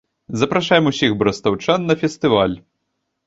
Запрашаем усіх брастаўчан на фестываль.